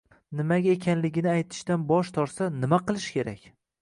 nimaga ekanligini aytishdan bosh tortsa, nima qilish kerak?